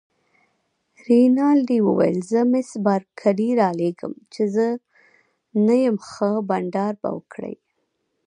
رینالډي وویل: زه مس بارکلي رالېږم، چي زه نه یم، ښه بانډار به وکړئ.